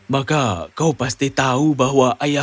maka kau pasti tahu bahwa ayahku